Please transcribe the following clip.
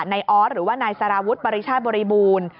นายอ๊อตหรือว่านายสารวุธบริชาติบริบูรณ์